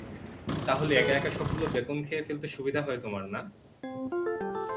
তাহলে একা একা সবগুলো বেকন খেয়ে ফেলতে সুবিধা হয় তোমার না?